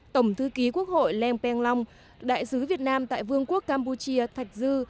tổng thư ký quốc hội leng peng long đại sứ việt nam tại vương quốc campuchia thạch dư